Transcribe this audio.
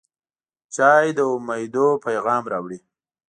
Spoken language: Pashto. چای د امیدونو پیغام راوړي.